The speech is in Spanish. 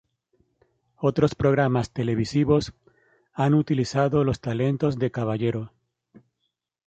Otros programas televisivos han utilizado los talentos de Caballero.